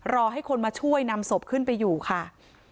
รอให้คนมาช่วยนำศพขึ้นไปอยู่ค่ะ